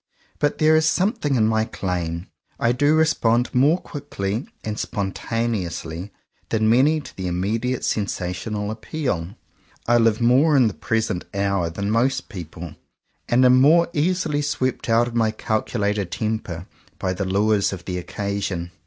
But there is something in my claim. I do respond more quickly and spontaneous ly than many to the immediate sensational appeal. I live more in the present hour than most people; and am more easily swept out of my calculated temper by the lures of the occasion.